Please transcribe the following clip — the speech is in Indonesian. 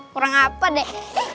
kurang apa deh